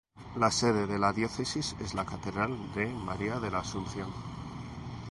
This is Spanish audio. La sede de la Diócesis es la Catedral de María de la Asunción.